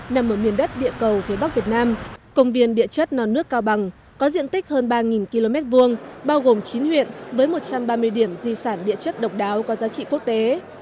nằm ở miền đất địa cầu phía bắc việt nam công viên địa chất non nước cao bằng có diện tích hơn ba km hai bao gồm chín huyện với một trăm ba mươi điểm di sản địa chất độc đáo có giá trị quốc tế